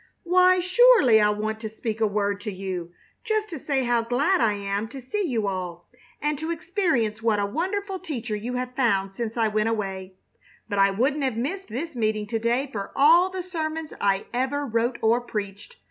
"Why, surely, I want to speak a word to you, just to say how glad I am to see you all, and to experience what a wonderful teacher you have found since I went away; but I wouldn't have missed this meeting to day for all the sermons I ever wrote or preached.